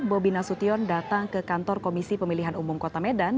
bobi nasution datang ke kantor komisi pemilihan umum kota medan